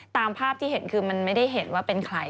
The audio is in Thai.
ตามภาพที่เห็นคือมันไม่ได้เห็นว่าเป็นใคร